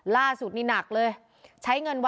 ล่าสุดนี้หนักเลย